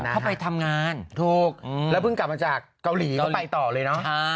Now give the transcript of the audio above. เข้าไปทำงานถูกแล้วเพิ่งกลับมาจากเกาหลีก็ไปต่อเลยเนอะ